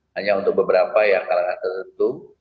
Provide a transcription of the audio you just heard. hanya untuk beberapa ya karena tertentu